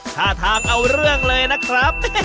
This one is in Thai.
ท่าทางเอาเรื่องเลยนะครับ